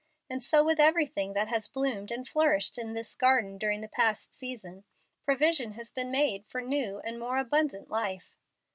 And so with everything that has bloomed and flourished in this garden during the past season, provision has been made for new and more abundant life.